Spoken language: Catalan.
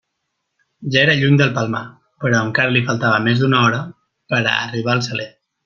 Ja era lluny del Palmar, però encara li faltava més d'una hora per a arribar al Saler.